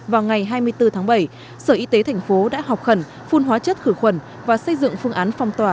vào ngày hai mươi bốn tháng bảy sở y tế thành phố đã học khẩn phun hóa chất khử khuẩn và xây dựng phương án phong tỏa